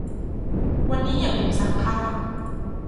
วันนี้อย่าลืมซักผ้า